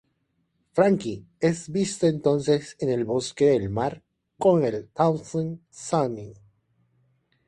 Franky es visto entonces en el Bosque de Mar con el Thousand Sunny.